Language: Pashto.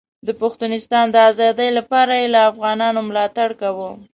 د پښتونستان د ازادۍ لپاره یې له افغانانو ملاتړ کاوه.